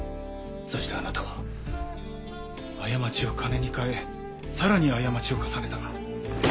そしてあなたは過ちを金に換えさらに過ちを重ねた。